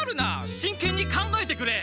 しんけんに考えてくれ！